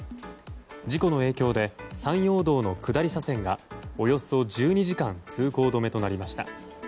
事故の影響で山陽道の下り車線がおよそ１２時間通行止めとなりました。